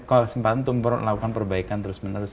kalau simpatan untuk melakukan perbaikan terus menerus